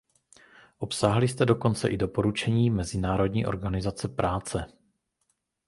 Obsáhli jste dokonce i doporučení Mezinárodní organizace práce.